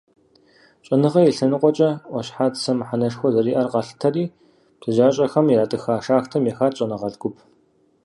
ЩӀэныгъэ и лъэныкъуэкӀэ Ӏуащхьацэ мыхьэнэшхуэ зэриӀэр къалъытэри, бзаджащӀэхэм иратӀыха шахтэм ехат щӀэныгъэлӀ гуп.